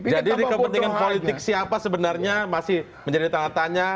jadi kepentingan politik siapa sebenarnya masih menjadi tanda tanya